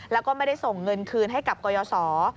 แล้วก็ไม่ได้ส่งเงินคืนให้กับกรยศ